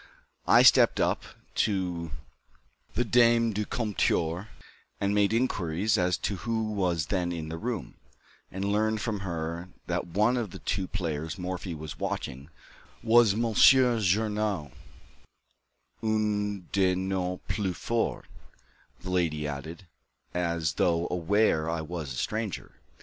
I stepped up to the dame du comptoir and made inquiries as to who was then in the room, and learned from her that one of the two players Morphy was watching was Monsieur Journoud, "un de nos plus forts," the lady added, as though aware I was a stranger.